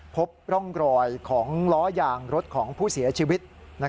พบร่องรอยของล้อยางรถของผู้เสียชีวิต